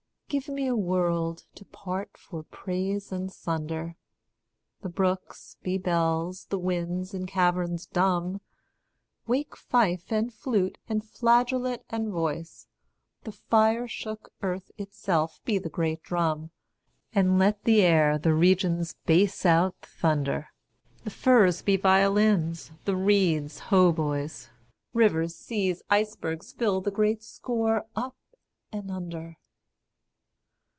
Give me a world, to part for praise and sunder. The brooks be bells; the winds, in caverns dumb, Wake fife and flute and flageolet and voice; The fire shook earth itself be the great drum; And let the air the region's bass out thunder; The firs be violins; the reeds hautboys; Rivers, seas, icebergs fill the great score up and under!